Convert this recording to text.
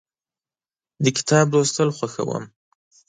د کتاب لوستل خوښوم.